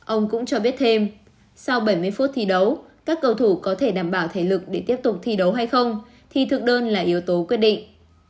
ông cũng cho biết thêm sau bảy mươi phút thi đấu các cầu thủ có thể đảm bảo thể lực để tiếp tục thi đấu hay không thì thực đơn là yếu tố quyết định